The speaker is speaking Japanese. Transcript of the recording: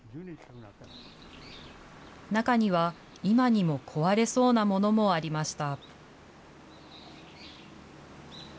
中には、今にも壊れそうなものもありました。